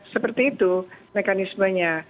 seperti itu mekanismenya